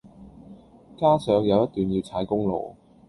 加上有一段要踩公路